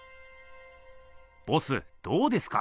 ボスどうですか？